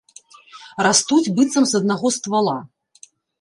Растуць быццам з аднаго ствала.